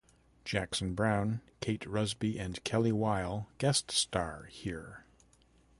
Jackson Browne, Kate Rusby and Kellie While guest star here.